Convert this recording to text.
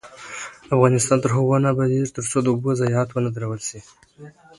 افغانستان تر هغو نه ابادیږي، ترڅو د اوبو ضایعات ونه درول شي.